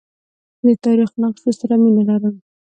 زه د تاریخي نقشو سره مینه لرم.